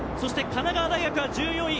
神奈川大学は１４位。